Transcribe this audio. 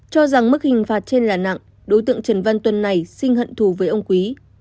cho rằng mức hình phạt trên là nặng đối tượng trần văn tuân này xin hận thù với ông quý